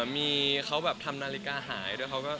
มีเขาทำนาฬิกาหาย